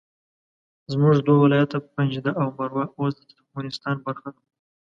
زموږ دوه ولایته پنجده او مروه اوس د ترکمنستان برخه ده